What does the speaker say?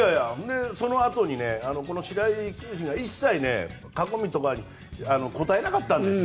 そのあとに白井球審が一切囲みとか答えなかったんです。